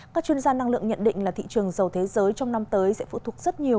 các chuyên gia năng lượng nhận định là thị trường dầu thế giới trong năm tới sẽ phụ thuộc rất nhiều